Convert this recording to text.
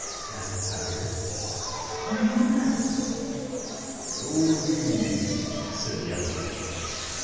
asked the tiger. "Are you a man?" "No, indeed," Said the elephant.